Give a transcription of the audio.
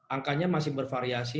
angkanya masih bervariasi